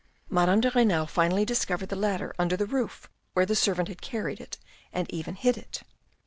Madame de Renal finally discovered the ladder under the roof where the servant had carried it and even hid it.